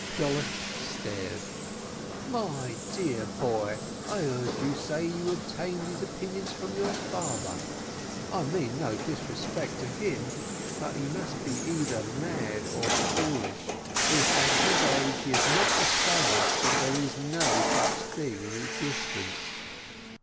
Jolliffe stared. "My dear boy, I heard you say that you obtained those opinions from your father; I mean no disrespect to him, but he must be either mad or foolish, if at his age he has not yet discovered that there is no such thing in existence."